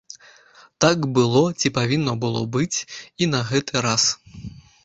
Так было ці павінна было быць і на гэты раз.